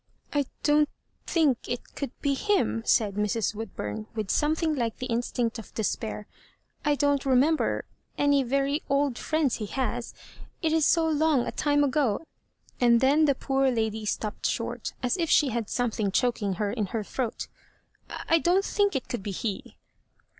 "I don't think it oould be him," said Mrs. Woodbum, with something like the instincfe of despair; "I don't remember any very old friends he has ; it is so long a time ago " and then the poor lady stopp^ shorty as if she had something choking her in her throat. "I don't think it could be he."